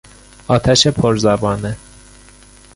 آتش پر زبانه